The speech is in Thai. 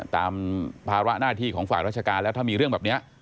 ภาระหน้าที่ของฝ่ายราชการแล้วถ้ามีเรื่องแบบนี้